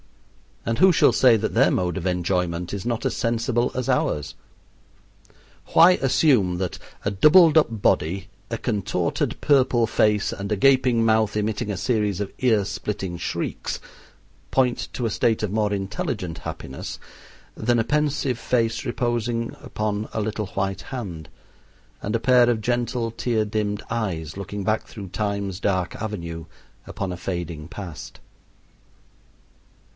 And who shall say that their mode of enjoyment is not as sensible as ours? Why assume that a doubled up body, a contorted, purple face, and a gaping mouth emitting a series of ear splitting shrieks point to a state of more intelligent happiness than a pensive face reposing upon a little white hand, and a pair of gentle tear dimmed eyes looking back through Time's dark avenue upon a fading past?